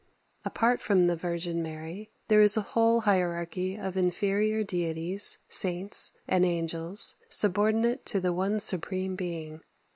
Apart from the Virgin Mary, there is a whole hierarchy of inferior deities, saints, and angels, subordinate to the One Supreme Being.